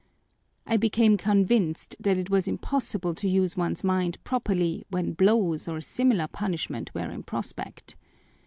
I became convinced that it was impossible to use one's mind properly when blows, or similar punishment, were in prospect.